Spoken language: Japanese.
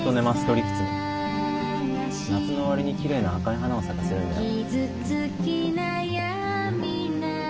夏の終わりにきれいな赤い花を咲かせるんだよ。